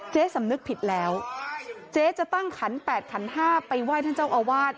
สำนึกผิดแล้วเจ๊จะตั้งขัน๘ขันห้าไปไหว้ท่านเจ้าอาวาส